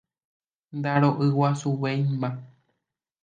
Ndaro'yguasuvéima.